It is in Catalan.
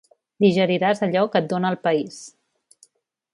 Digeriràs allò que et dóna el país.